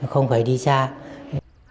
không phải đi bệnh